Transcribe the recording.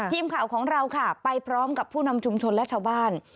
ทีมข่าวของเราค่ะไปพร้อมกับผู้นำชุมชนและชาวบ้าน